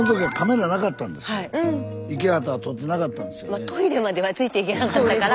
まあトイレまではついていけなかったから。